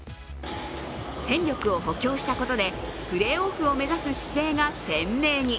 戦力を補強したことでプレーオフを目指す姿勢が鮮明に。